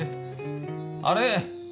あれ？